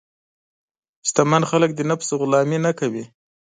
شتمن خلک د نفس غلامي نه کوي.